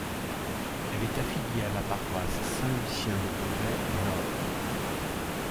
Elle est affiliée à la paroisse Saint-Lucien de Beauvais Nord.